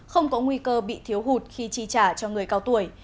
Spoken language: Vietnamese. không có nguy cơ bị thiếu hụt khi chi trả cho người cao tuổi